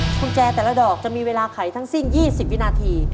กุญแจแต่ละดอกจะมีเวลาไขทั้งสิ้น๒๐วินาที